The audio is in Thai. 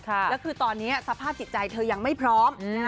แล้วคือตอนนี้สภาพจิตใจเธอยังไม่พร้อม